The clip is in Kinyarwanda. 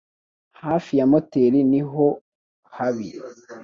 hafi ya moteri niho ha bi